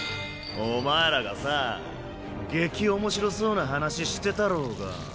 お前らがさ激面白そうな話してたろうがぁ。